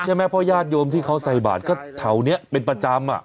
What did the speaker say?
ใช่ไหมเพราะญาติโยมที่เขาใส่บาทก็แถวนี้เป็นประจำอ่ะ